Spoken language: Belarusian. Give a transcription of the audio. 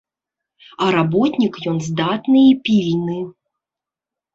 А работнік ён здатны і пільны.